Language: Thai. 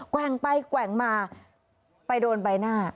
แว่งไปแกว่งมาไปโดนใบหน้า